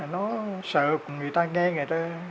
nó sợ người ta nghe người ta